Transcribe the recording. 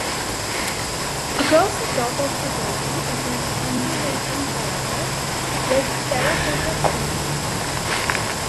Across the top of the building is an undulating parapet with terra cotta trim.